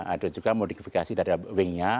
ada juga modifikasi dari weng nya